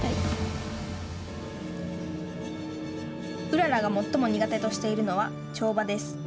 うららが最も苦手としているのは跳馬です。